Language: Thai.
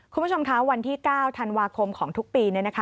คุณผู้ชมค่ะวันที่๙ธันวาคมของทุกปี